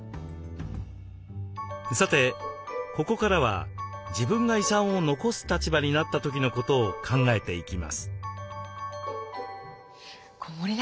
さてここからは自分が遺産を残す立場になった時のことを考えていきます。